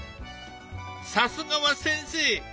さすがは先生！